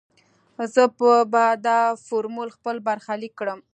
زه به دا فورمول خپل برخليک کړم.